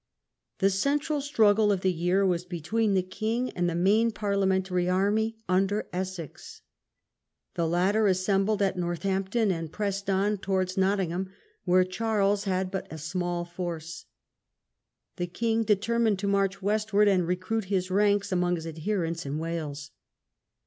The central struggle of the year was between the king and the main Parliamentary army under Essex. The latter Edgehiii. assembled at Northampton and pressed on Oct. 23, 1643. towards Nottingham, where Charles had but a small force. The king determined to march westward and recruit his ranks among his adherents in Wales.